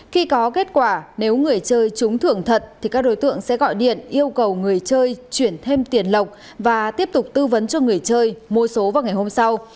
khi có kết quả nếu người chơi trúng thưởng thật thì các đối tượng sẽ gọi điện yêu cầu người chơi chuyển thêm tiền lọc và tiếp tục tư vấn cho người chơi mua số vào ngày hôm sau